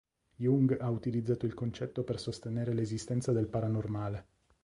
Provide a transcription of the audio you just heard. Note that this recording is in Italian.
Jung ha utilizzato il concetto per sostenere l'esistenza del paranormale.